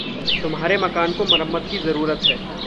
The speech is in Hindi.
तुम्हारे मकान को मरम्मत की ज़रूरत है।